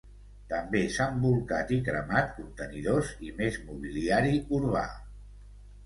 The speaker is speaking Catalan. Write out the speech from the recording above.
També s’han bolcat i cremat contenidors i més mobiliari urbà.